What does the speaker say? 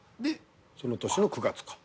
その年の９月か。